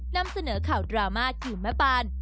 นำเสนอข่าวดราม่าทีมแม่ปาน